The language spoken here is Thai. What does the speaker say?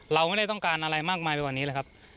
เราไม่ได้ต้องการอะไรมากมายไปกว่านี้เลยครับ